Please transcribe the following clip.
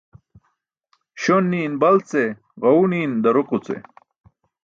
Śon ni̇i̇n bal ce, ġaẏu ni̇i̇n daroġo ce.